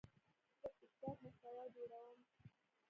زه د ټک ټاک محتوا جوړوم.